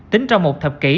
tính trong một thập kỷ